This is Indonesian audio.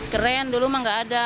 keren dulu mah gak ada